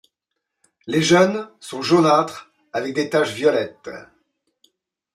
Les jeunes sont jaunâtres avec des taches violettes.